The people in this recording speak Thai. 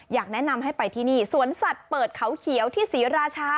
อยากแนะนำให้ไปที่นี่สวนสัตว์เปิดเขาเขียวที่ศรีราชา